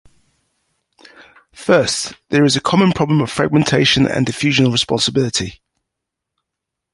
First, there is the common problem of fragmentation and diffusion of responsibility.